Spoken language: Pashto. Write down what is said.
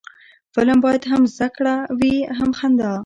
فلم باید هم زده کړه وي، هم خندا